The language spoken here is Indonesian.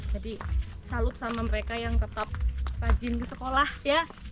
salut sama mereka yang tetap rajin di sekolah ya